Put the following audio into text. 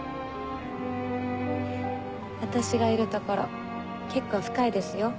私がいる所結構深いですよ。